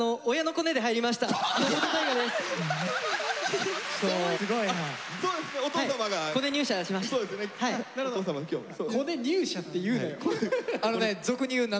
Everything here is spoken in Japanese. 「コネ入社」って言うなよ。